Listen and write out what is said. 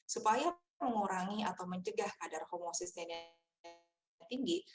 supaya mengurangi atau mencegah kadar homo systainnya tinggi